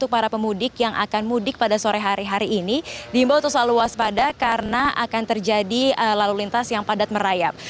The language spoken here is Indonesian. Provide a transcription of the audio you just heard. para pemudik yang akan mudik pada sore hari hari ini diimbau untuk selalu waspada karena akan terjadi lalu lintas yang padat merayap